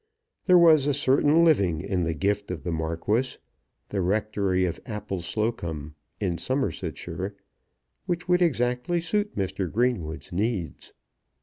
There was a certain living in the gift of the Marquis, the Rectory of Appleslocombe in Somersetshire, which would exactly suit Mr. Greenwood's needs.